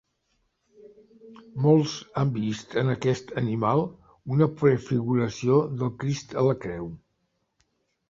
Molts han vist en aquest animal una prefiguració del Crist a la creu.